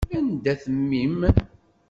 Anda-t mmi-m?